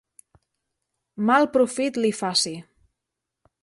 Mal profit li faci!